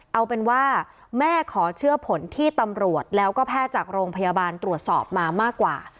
เอาเป็นว่าแม่ขอเชื่อผลที่ตำรวจแล้วก็แพทย์จากโรงพยาบาลตรวจสอบมามากกว่า